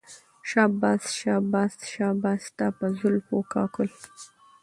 شاباش شاباش شاباش ستا په زلفو په كاكل